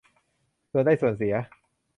ส่วนได้ส่วนเสีย